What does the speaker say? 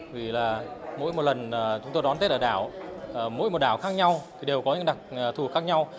vì mỗi lần chúng tôi đón tết ở đảo mỗi một đảo khác nhau đều có những đặc thù khác nhau